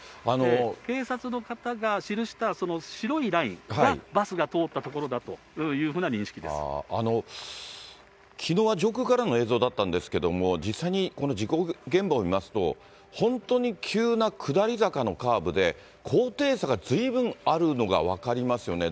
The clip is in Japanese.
警察の方が記した白いラインは、バスが通った所だというふうな認きのうは上空からの映像だったんですけれども、実際にこの事故現場を見ますと、本当に急な下り坂のカーブで、高低差がずいぶんあるのが分かりますよね。